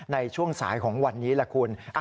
ในช่วงสายของวันนี้แหละคุณ